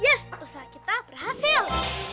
yes usaha kita berhasil